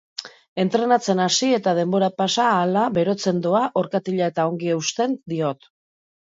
Entrenatzen hasi eta denbora pasa ahala berotzen doa orkatila eta ongi eusten diot.